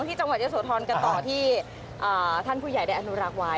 ที่จังหวัดเยอะโสธรกันต่อที่ท่านผู้ใหญ่ได้อนุรักษ์ไว้